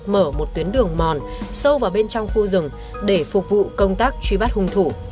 mở một tuyến đường mòn sâu vào bên trong khu rừng để phục vụ công tác truy bắt hung thủ